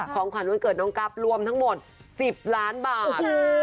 ของขวัญวันเกิดน้องกั๊บรวมทั้งหมด๑๐ล้านบาท